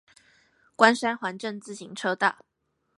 關山環鎮自行車道